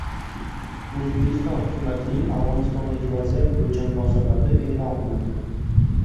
O‘zbekiston hukumatining Afg‘onistondagi vaziyat bo‘yicha munosabati e’lon qilindi